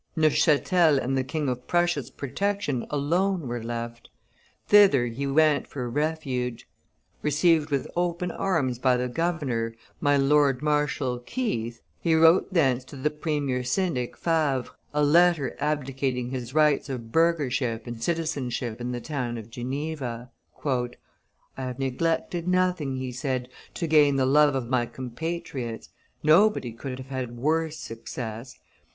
Neuchatel and the King of Prussia's protection alone were left; thither he went for refuge. Received with open arms by the governor, my lord Marshal (Keith), he wrote thence to the premier syndic Favre a letter abdicating his rights of burghership and citizenship in the town of Geneva. "I have neglected nothing," he said, "to gain the love of my compatriots; nobody could have had worse success.